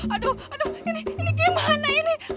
aduh ini gimana ini